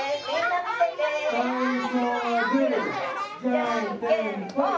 じゃんけんぽん！